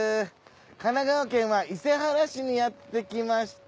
神奈川県は伊勢原市にやって来ました。